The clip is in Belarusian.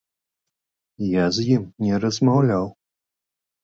Я з ім не размаўляў.